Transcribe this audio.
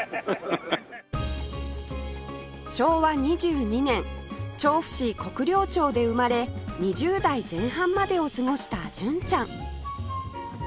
昭和２２年調布市国領町で生まれ２０代前半までを過ごした純ちゃん